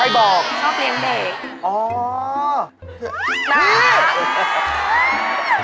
ใครบอกชอบเลี้ยงเด็ก